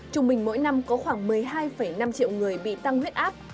trung bình mỗi năm có khoảng một mươi hai năm triệu người bị tăng huyết áp